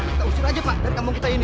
kita usir saja pak dari kampung kita ini